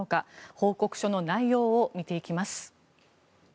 報告書の内容を見ていきます。